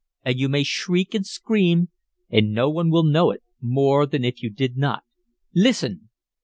And you may shriek and scream and no one will know it more than if you did not. Listen!"